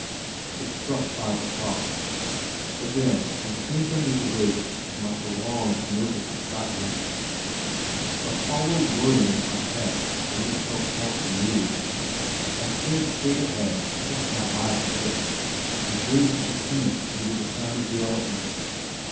It struck five o'clock! Again I sank under the weight of my prolonged nervous excitement. The hollow whirring in my head made itself felt anew. I stared straight ahead, kept my eyes fixed, and gazed at the chemist's under the sign of the elephant.